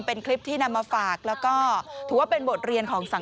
เป็นคลิปที่นำมาฝากแล้วก็ถือว่าเป็นบทเรียนของสังค